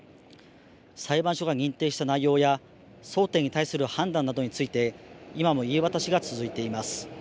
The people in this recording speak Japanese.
裁判所が認定した内容や争点に対する判断などについて今も言い渡しが続いています。